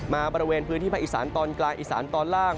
บริเวณพื้นที่ภาคอีสานตอนกลางอีสานตอนล่าง